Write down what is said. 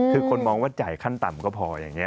คือคนมองว่าจ่ายขั้นต่ำก็พออย่างนี้